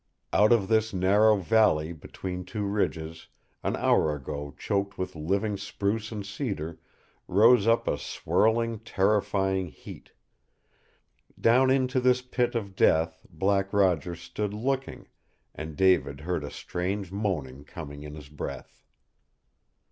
Out of this narrow valley between two ridges, an hour ago choked with living spruce and cedar, rose up a swirling, terrifying heat. Down into this pit of death Black Roger stood looking, and David heard a strange moaning coming in his breath.